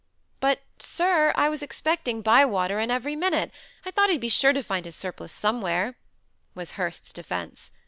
"But, sir, I was expecting Bywater in every minute. I thought he'd be sure to find his surplice somewhere," was Hurst's defence.